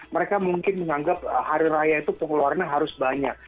mereka mungkin menganggap hari raya itu pengeluarannya harus banyak